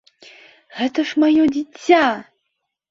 Гэта ж маё дзіця!